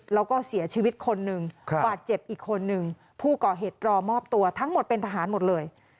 แล้วก็เสียชีวิตคนหนึ่งบาดเจ็บอีกคนนึงผู้ก่อเหตุรอมอบตัวทั้งหมดเป็นทหารหมดเลย